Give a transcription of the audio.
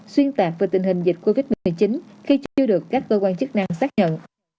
xuyên tạc về tình hình dịch covid một mươi chín khi chưa được các cơ quan chức năng xác nhận